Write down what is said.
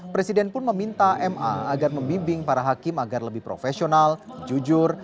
presiden pun meminta ma agar membimbing para hakim agar lebih profesional jujur